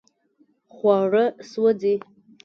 خواړه سوځي